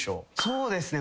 そうですね